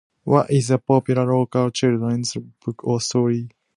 What is the popular [unclear|all] culture [unintelligible] book or story?